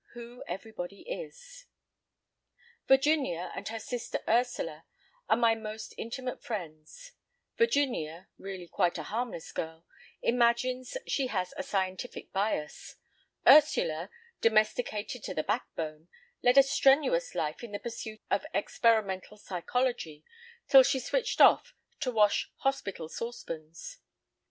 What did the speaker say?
Who Everybody is Virginia and her sister Ursula are my most intimate friends. Virginia—really quite a harmless girl—imagines she has a scientific bias. Ursula—domesticated to the backbone—led a strenuous life in the pursuit of experimental psychology, till she switched off to wash hospital saucepans.